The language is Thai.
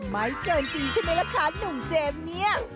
ไม่เกินจริงใช่ไหมล่ะคะหนุ่มเจมส์เนี่ย